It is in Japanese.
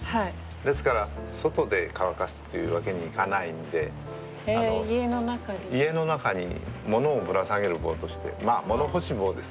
ですから外で乾かすという訳にいかないんで家の中に物をぶら下げる棒としてまあ物干し棒ですね。